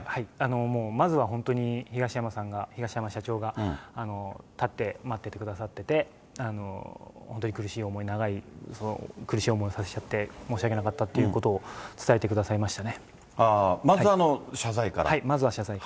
もうまずは本当に、東山さんが、東山社長が立って待っててくださってて、本当に苦しい思い、長い苦しい思いをさせちゃって申し訳なかったということを伝えてまず謝罪から。